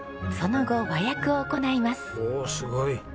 おおすごい！